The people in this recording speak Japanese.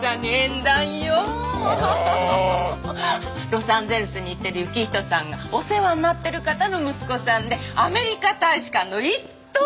ロサンゼルスに行ってる行人さんがお世話になってる方の息子さんでアメリカ大使館の一等書記官よ。